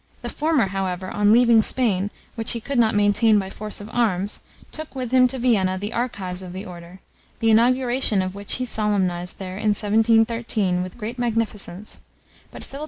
The former, however, on leaving Spain, which he could not maintain by force of arms, took with him, to Vienna, the archives of the order, the inauguration of which he solemnized there in 1713, with great magnificence; but Philip V.